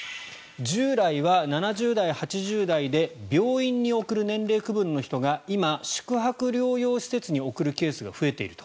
従来は７０代、８０代で病院に送る年齢区分の人が今、宿泊療養施設に送るケースが増えていると。